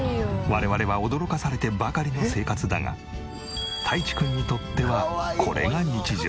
我々は驚かされてばかりの生活だがたいちくんにとってはこれが日常。